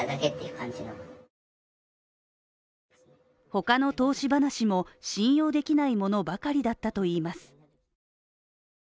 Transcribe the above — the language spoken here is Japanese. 他の投資話も信用できないものばかりだったといいます。